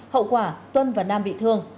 hậu quả tuân và nam bị thương